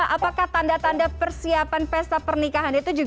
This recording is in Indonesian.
apakah tanda tanda persiapan pesta pernikahan itu juga sempurna